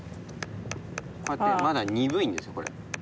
こうやってまだ鈍いんですこれ。